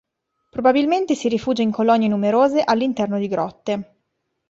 Probabilmente si rifugia in colonie numerose all'interno di grotte.